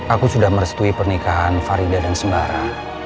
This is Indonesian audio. aku sudah merespui pernikahan faridah dan sembara